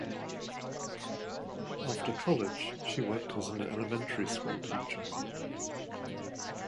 After college, she worked as an elementary school teacher.